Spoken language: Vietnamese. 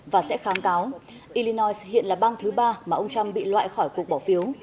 và sẽ kháng cáo illinois hiện là bang thứ ba mà ông trump bị loại khỏi cuộc bỏ phiếu